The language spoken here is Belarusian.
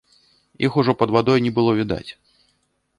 Іх ужо пад вадой не было відаць.